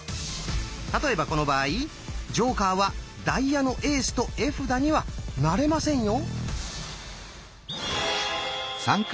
例えばこの場合ジョーカーはダイヤのエースと絵札にはなれませんよ。